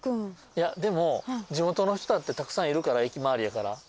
いやでも地元の人だってたくさんいるから駅周りやから。